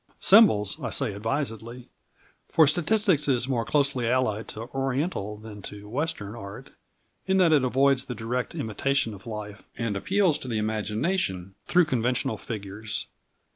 Symbols, I say advisedly, for statistics is more closely allied to Oriental than to Western art in that it avoids the direct imitation of life and appeals to the imagination through conventional figures.